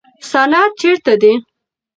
سند چیرته دی؟